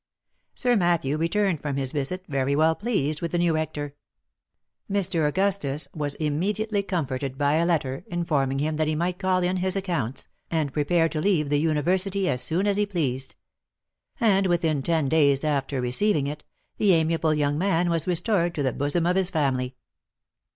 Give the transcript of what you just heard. Sir Matthew returned from this visit very well pleased with the new rector. Mr. Augustus was immediately comforted by a letter, informing him that he might call in his accounts, and prepare to leave the university as soon as he pleased ; and, within ten days after receiving it, the amiable young man was restored to the bosom of his family.